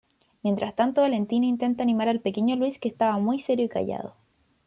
Mientras tanto Valentina intenta animar al pequeño Luis que estaba muy serio y callado.